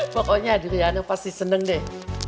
pokoknya adriana pasti seneng deh